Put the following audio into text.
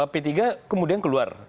p tiga kemudian keluar